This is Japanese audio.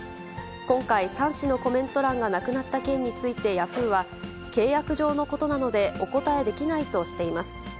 今回、３誌のコメント欄がなくなった件についてヤフーは、契約上のことなのでお答えできないとしています。